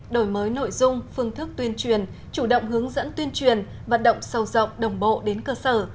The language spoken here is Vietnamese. đổi mới nội dung phương thức tuyên truyền chủ động hướng dẫn tuyên truyền vận động sâu rộng đồng bộ đến cơ sở